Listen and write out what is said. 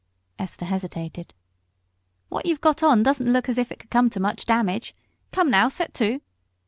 Esther hesitated. "What you've got on don't look as if it could come to much damage. Come, now, set to."